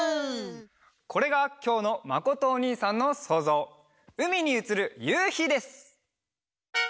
これがきょうのまことおにいさんのそうぞう「うみにうつるゆうひ」です！